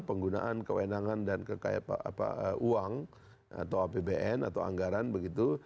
penggunaan kewenangan dan uang atau apbn atau anggaran begitu